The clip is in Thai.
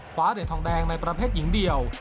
คว้าเด่นทองแดงในประเภทหญิงเดียว